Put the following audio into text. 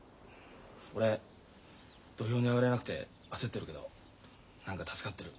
俺土俵に上がれなくて焦ってるけど何か助かってる。